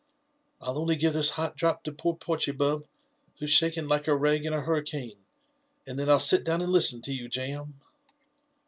ril only give this hot drop to poor Porchy, Bub, who's shaking like a rag in a hurricane; and then Fll sit down and listen to you, jam."